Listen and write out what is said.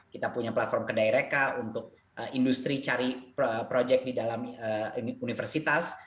kita punya platform kedaireka untuk industri cari project di dalam universitas